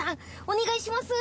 お願いします。